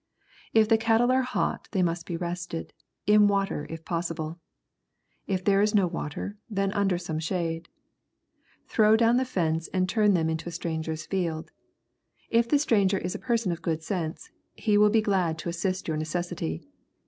If the cattle are hot they must be rested, in water if possible; if there is no water, then under some shade. Throw down the fence and turn them into the stranger's field. If the stranger is a person of good sense, he will be glad to assist your necessity.